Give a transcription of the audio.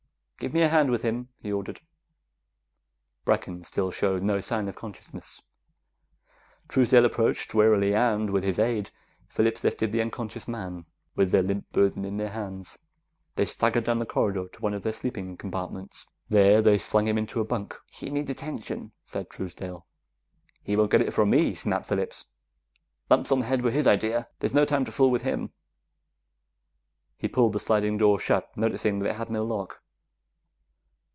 "Give me a hand with him," he ordered. Brecken still showed no sign of consciousness. Truesdale approached warily, and with his aid Phillips lifted the unconscious man. With their burden limp in their hands, they staggered down the corridor to one of the sleeping compartments. There, they slung him into a bunk. "He needs attention," said Truesdale. "He won't get it from me," snapped Phillips. "Lumps on the head were his idea; there's no time to fool with him." He pulled the sliding door shut, noticing that it had no lock.